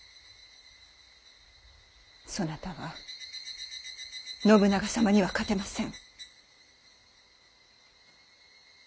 そなたは信長様には勝てません。